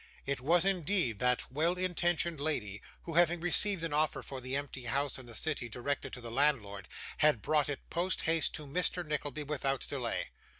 It was, indeed, that well intentioned lady, who, having received an offer for the empty house in the city directed to the landlord, had brought it post haste to Mr. Nickleby without delay.